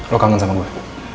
lu kangen sama gue